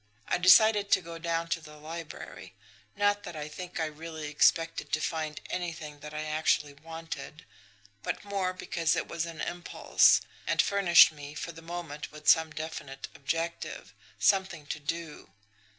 I decided to go down to the library not that I think I really expected to find anything that I actually wanted, but more because it was an impulse, and furnished me for the moment with some definite objective, something to do.